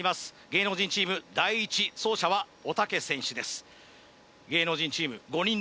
芸能人チーム第１走者はおたけ選手です